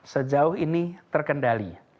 sejauh ini terkendali